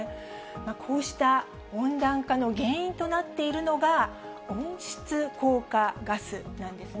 こうした温暖化の原因となっているのが、温室効果ガスなんですね。